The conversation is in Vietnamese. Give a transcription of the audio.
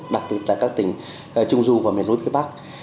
đặc biệt là các tỉnh trung du và miền núi phía bắc